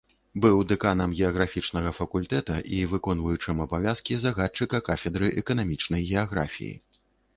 Быў дэканам геаграфічнага факультэта і выконваючым абавязкі загадчыка кафедры эканамічнай геаграфіі.